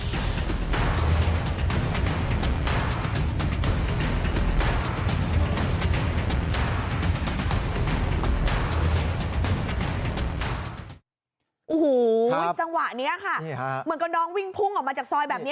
โอ้โหจังหวะนี้ค่ะเหมือนกับน้องวิ่งพุ่งออกมาจากซอยแบบนี้